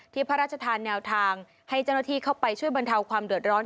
พระราชทานแนวทางให้เจ้าหน้าที่เข้าไปช่วยบรรเทาความเดือดร้อน